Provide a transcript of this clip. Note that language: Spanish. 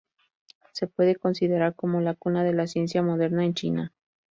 Se puede considerar como la cuna de la ciencia moderna en China.